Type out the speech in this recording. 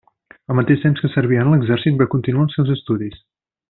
Al mateix temps que servia en l'exèrcit va continuar els seus estudis.